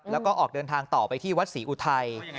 แล้วก็ออกเดินทางต่อไปที่วัดศรีอุทัย